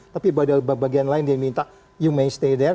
tapi pada bagian lain dia minta you may stay there